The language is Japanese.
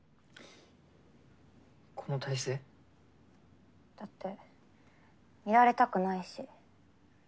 この体勢？だって見られたくないし。